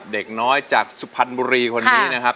เด็กน้อยจากสุพรรณบุรีคนนี้นะครับ